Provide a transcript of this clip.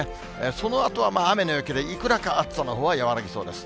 そのあとは雨の影響でいくらか暑さのほうは和らぎそうです。